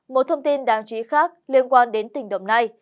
một thông tin đáng chú ý khác liên quan đến tỉnh đồng nai